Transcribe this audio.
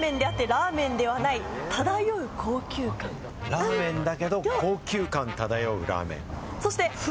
ラーメンだけど、高級感漂うラーメン？